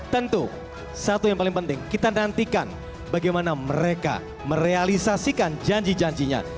tentu satu yang paling penting kita nantikan bagaimana mereka merealisasikan janji janjinya